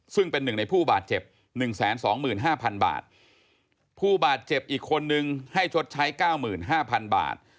ซึ่งเป็นหนึ่งในผู้บาดเจ็บ๑๒๕๐๐๐บาทผู้บาดเจ็บอีกคนนึงให้ชดใช้๙๕๐๐๐บาท